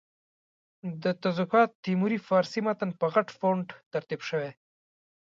د تزوکات تیموري فارسي متن په غټ فونټ ترتیب شوی.